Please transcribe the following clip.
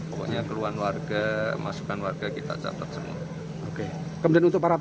pokoknya keluhan warga masukan warga kita catat semua